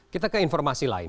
kita ke informasi lain